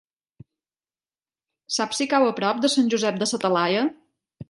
Saps si cau a prop de Sant Josep de sa Talaia?